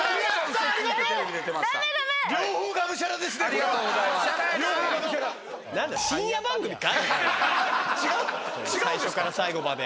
最初から最後まで。